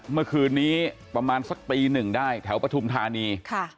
เมื่อคืนนี้ประมาณสักตีหนึ่งได้แถวปฐุมธานี